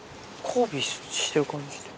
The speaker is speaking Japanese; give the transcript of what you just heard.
交尾してる感じ。